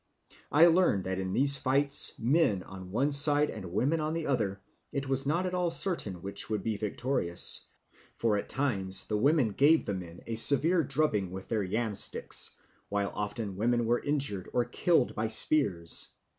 I learn that in these fights, men on one side and women on the other, it was not at all certain which would be victorious, for at times the women gave the men a severe drubbing with their yamsticks, while often women were injured or killed by spears."